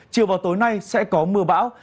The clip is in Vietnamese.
chiều vào tối nay sẽ có mưa bão